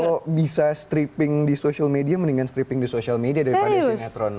kalau bisa stripping di social media mendingan stripping di social media daripada sinetron